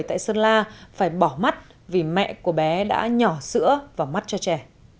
tại sơn la phải bỏ mắt vì mẹ của bé đã nhỏ sữa và mắt cho trẻ